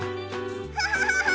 ハハハハ！